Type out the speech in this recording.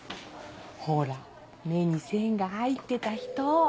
ほら目に線が入ってた人。